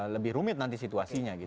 lebih rumit nanti situasinya